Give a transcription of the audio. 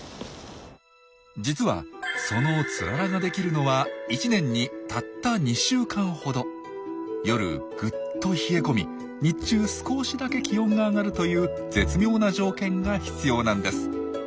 実はその夜ぐっと冷え込み日中少しだけ気温が上がるという絶妙な条件が必要なんです。